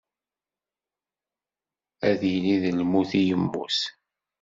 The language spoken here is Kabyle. Ad yili d lmut i yemmut.